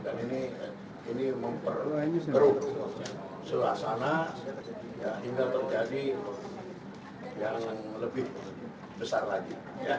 dan ini memperkeruk seluasana hingga terjadi yang lebih besar lagi